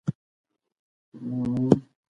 هغې له ویلچیر کپسول ته ننوتله.